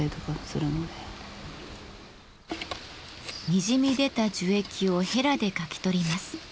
にじみ出た樹液をヘラでかき取ります。